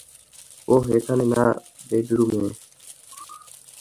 ওহ, এখানে না, বেডরুমে।